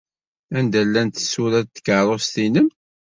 Anda llant tsura n tkeṛṛust-nnem?